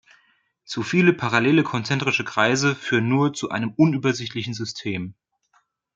Zu viele parallele konzentrische Kreise führen nur zu einem unübersichtlichen System.